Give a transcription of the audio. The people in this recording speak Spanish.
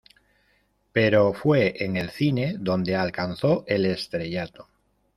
Pero fue en el cine donde alcanzó el estrellato.